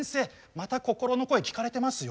また心の声聞かれてますよ！